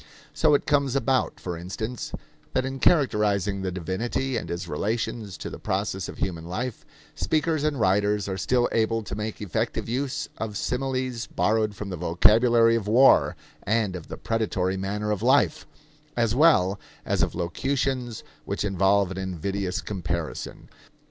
So it comes about, for instance, that in characterizing the divinity and his relations to the process of human life, speakers and writers are still able to make effective use of similes borrowed from the vocabulary of war and of the predatory manner of life, as well as of locutions which involve an invidious comparison.